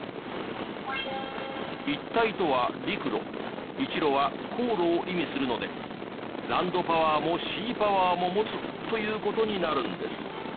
「一帯」とは陸路「一路」は航路を意味するのでランドパワーもシーパワーも持つという事になるんです。